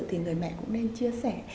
thì người mẹ cũng nên chia sẻ